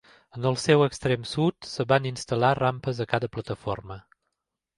En el seu extrem sud, es van instal·lar rampes a cada plataforma.